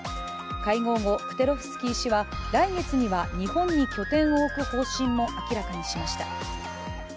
会合後、クテロフスキー氏は来月には日本に拠点を置く方針も明らかにしました。